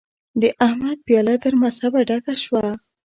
د احمد پياله تر مذهبه ډکه شوه.